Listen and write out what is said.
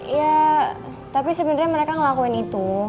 iya tapi sebenernya mereka ngelakuin itu